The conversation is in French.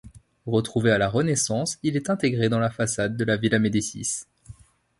Retrouvé à la Renaissance, il est intégré dans la façade de la villa Médicis.